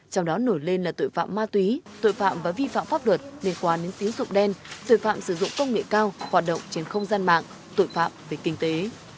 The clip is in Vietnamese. trong đó nổi lên là tội phạm ma túy tội phạm và vi phạm pháp luật nền quả nến xíu sụp đen tội phạm sử dụng công nghệ cao hoạt động trên không gian mạng tội phạm về kinh tế